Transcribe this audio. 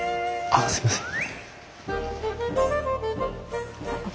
あっすいません。